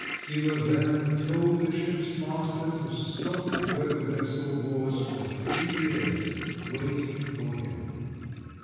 Sila then told the ship's master to stop where the vessel was for three years, waiting for him.